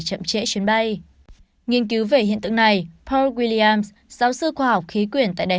chậm trễ chuyến bay nghiên cứu về hiện tượng này pow williams giáo sư khoa học khí quyển tại đài